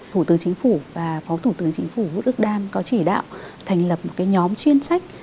thủ tướng chính phủ và phó thủ tướng chính phủ hữu đức đam có chỉ đạo thành lập một cái nhóm chuyên sách